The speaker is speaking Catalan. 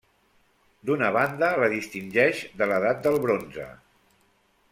D'una banda la distingeix de l'edat del bronze.